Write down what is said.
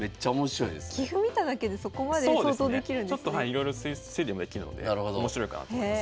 いろいろ推理もできるので面白いかなと思います。